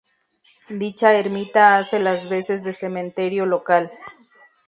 Dicha ermita hace las veces de cementerio local.